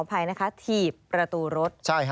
มันเกิดเหตุเป็นเหตุที่บ้านกลัว